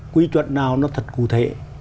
quy chuẩn nào nó thật cụ thể